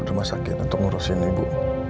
rumah sakit untuk ngurusin ibu